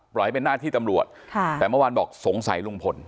ให้เป็นหน้าที่ตำรวจค่ะแต่เมื่อวานบอกสงสัยลุงพล